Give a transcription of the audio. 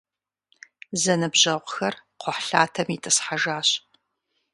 Зэныбжьэгъухэр кхъухьлъатэм итӏысхьэжащ.